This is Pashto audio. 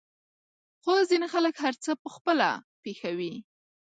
خو ځينې خلک هر څه په خپله پېښوي.